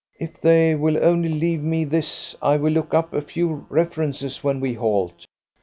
"If they will only leave me this, I will look up a few references when we halt.